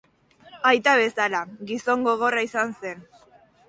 Aita bezala, gizon gogorra izan zen.